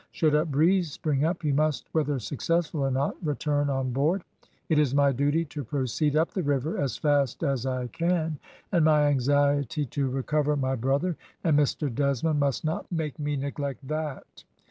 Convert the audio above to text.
Should a breeze spring up, you must, whether successful or not, return on board. It is my duty to proceed up the river as fast as I can, and my anxiety to recover my brother and Mr Desmond must not make me neglect that."